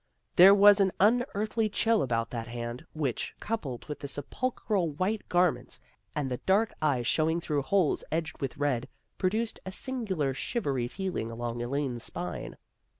There was an unearthly chill about that hand, which, coupled with the sepulchral white gar ments and the dark eyes showing through holes edged with red, produced a singular shivery feeling along Elaine's spine.